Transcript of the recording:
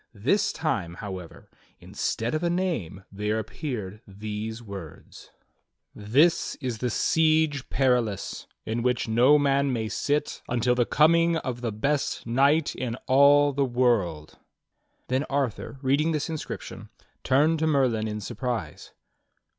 This time, however, instead of a name there appeared these words: HOW ARTHUR WON HIS SWORD til "THIS IS THE SIEGE PERILOUS IN WHICH NO MAN MAY SIT UNTIL THE COMING OF THE BEST KNIGHT IN ALL THE WORLD." Then Arthur, reading this inscription, turned to Merlin in surprise.